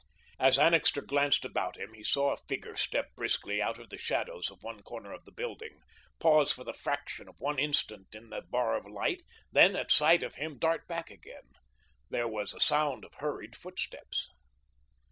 As Annixter glanced about him, he saw a figure step briskly out of the shadows of one corner of the building, pause for the fraction of one instant in the bar of light, then, at sight of him, dart back again. There was a sound of hurried footsteps.